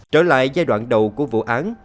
trở lại giai đoạn đầu của vụ án